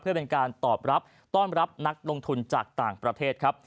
เพื่อเป็นการตอบรับต้อนรับนักลงทุนจากต่างประเทศครับ